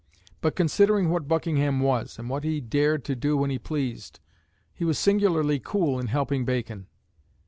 But considering what Buckingham was, and what he dared to do when he pleased, he was singularly cool in helping Bacon.